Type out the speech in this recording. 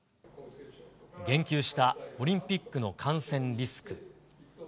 言及したオリンピックの感染